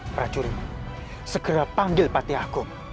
pracuri segera panggil pati hakum